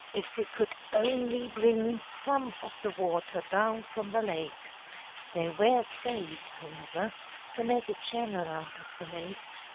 If we could only bring some of the water down from the lake!' "They were afraid, however, to make a channel out of the lake.